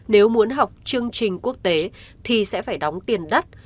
nếu muốn học chương trình quốc tế thì sẽ phải đóng tiền đất